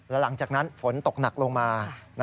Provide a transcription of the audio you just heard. แล้วหลังจากนั้นฝนตกหนักลงมา